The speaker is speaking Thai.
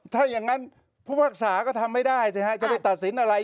ถ้าอย่างนั้นผู้พักษาก็ทำไม่ได้สิฮะจะไปตัดสินอะไร